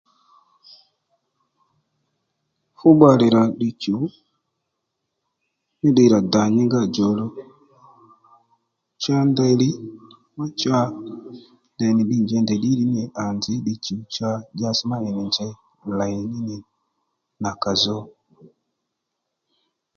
Fú bbalè rà ddiy chuw fú ddiy ra dà mí nga djòluw cha ndeyli mà cha ndèy nì ddiy njěy ndèy ddǐddi ní nì à nì nzǐ ddiy chǔw cha bbale mà ì nì njěy lèy ní nì nàkà zo